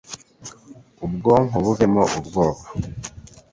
ubwonko buvemo ubwoba